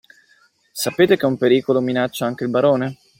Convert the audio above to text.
Sapete che un pericolo minaccia anche il barone?